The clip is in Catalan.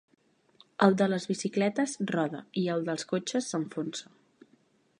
El de les bicicletes roda i el dels cotxes s'enfonsa.